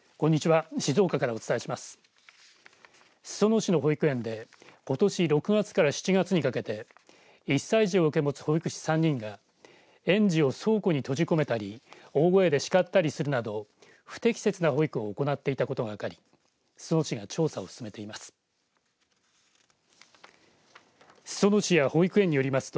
裾野市の保育園でことし６月から７月にかけて１歳児を受け持つ保育士３人が園児を倉庫に閉じ込めたり大声で叱ったりするなど不適切な保育を行っていたことが分かり裾野市が調査を進めています。